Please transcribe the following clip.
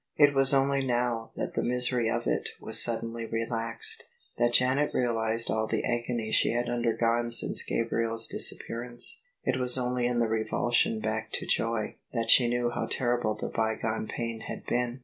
It was only now that the misery of it was sud denly relaxed, that Janet realised all the agony she had undergone since Gabriel's disappearance: it was only in the revulsion back to joy, that she knew how terrible the bygone pain had been.